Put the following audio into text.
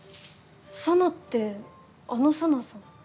沙奈ってあの沙奈さん？